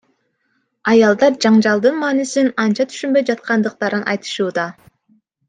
Аялдар жаңжалдын маанисин анча түшүнбөй жаткандыктарын айтышууда.